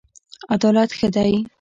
عدالت ښه دی.